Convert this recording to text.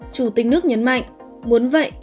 chủ tịch nước nhấn mạnh muốn vậy